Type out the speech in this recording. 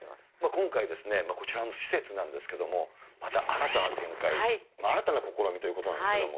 今回、こちらの施設なんですけども、また新たな展開、新たな試みということなんですけれども。